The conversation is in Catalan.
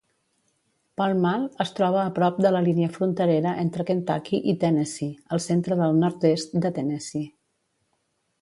Pall Mall es troba a prop de la línia fronterera entre Kentucky i Tennessee al centre del nord-est de Tennessee.